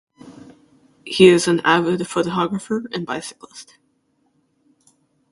He is an avid photographer and bicyclist.